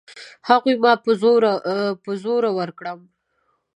هغوی ما په زور ورکړم.